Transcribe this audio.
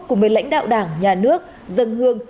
cùng với lãnh đạo đảng nhà nước dân hương